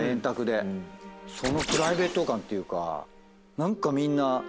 そのプライベート感っていうか何かみんな。